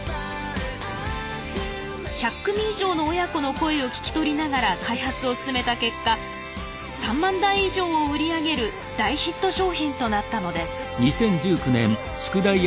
１００組以上の親子の声を聞き取りながら開発を進めた結果３万台以上を売り上げる大ヒット商品となったのです。